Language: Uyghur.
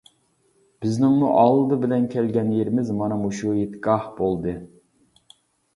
بىزنىڭمۇ ئالدى بىلەن كەلگەن يېرىمىز مانا مۇشۇ ھېيتگاھ بولدى.